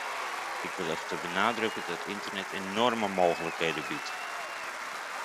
Ik wil echter benadrukken dat internet enorme mogelijkheden biedt.